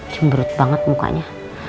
jemberut banget mukanya